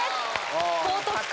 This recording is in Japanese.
高得点。